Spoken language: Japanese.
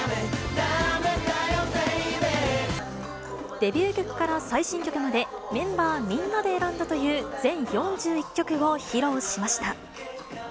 デビュー曲から最新曲まで、メンバーみんなで選んだという全４１曲を披露しました。